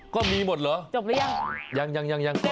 ก็มีหมดเหรอจบแล้วยังเห็นดีนะเหรอ